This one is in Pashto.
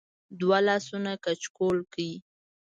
د وه لاسونه کچکول کړی